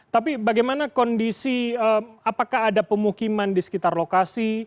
tapi bagaimana kondisi apakah ada pemukiman di sekitar lokasi